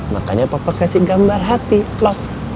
makanya papa kasih gambar hati plok